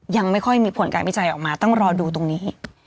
ยังไม่ค่อยมีผลการวิจัยออกมาต้องรอดูตรงนี้